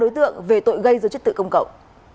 đối tượng về tội gây do trật tự công cộng